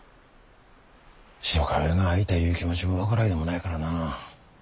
白壁の会いたいいう気持ちも分からいでもないからな。